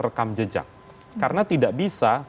rekam jejak karena tidak bisa